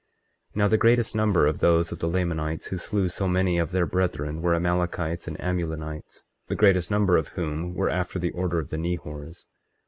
24:28 Now the greatest number of those of the Lamanites who slew so many of their brethren were Amalekites and Amulonites, the greatest number of whom were after the order of the Nehors.